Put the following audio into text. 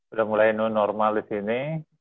udah mulai nonormal di sini